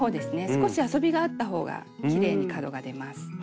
少し遊びがあったほうがきれいに角が出ます。